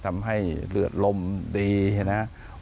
ทำให้เลือดลมดีนะครับ